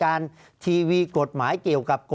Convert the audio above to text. ภารกิจสรรค์ภารกิจสรรค์